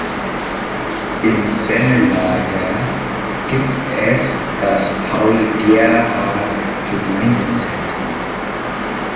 In Sennelager gibt es das Paul-Gerhardt-Gemeindezentrum.